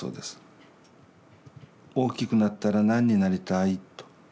「大きくなったら何になりたい？」と。